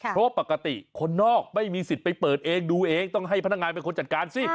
เพราะปกติคนนอกไม่มีสิทธิ์ไปเปิดเองดูเองต้องให้พนักงานเป็นคนจัดการสิ